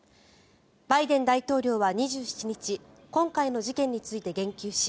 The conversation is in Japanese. バイデン大統領は２７日今回の事件について言及し